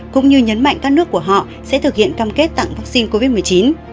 cũng như nhấn mạnh các nước của họ sẽ thực hiện cam kết tặng vaccine covid một mươi chín